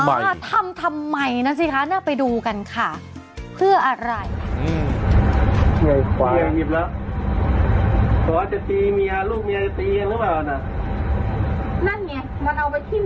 แต่หนูว่าถ้ามันจะตีเราเราคงไม่ตีเลยพี่